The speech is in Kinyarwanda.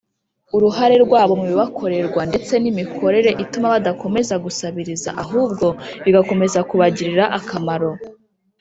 uruhare rwabo mu bibakorerwa ndetse n’imikorere ituma badakomeza gusabiriza ahubwo bigakomeza kubagirira akamaro.